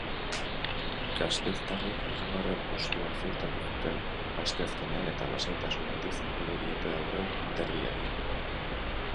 Gasteiztarrek hirugarren postua ziurtatu zuten asteazkenean eta lasaitasun handiz egingo diote aurre derbiari.